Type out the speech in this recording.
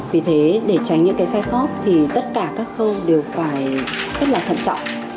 vì thế để tránh những cái sai sót thì tất cả các khâu đều phải rất là thận trọng